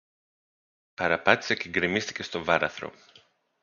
παραπάτησε και γκρεμίστηκε στο βάραθρο